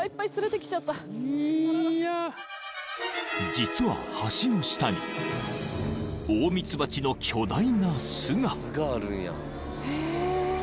［実は橋の下にオオミツバチの巨大な巣が］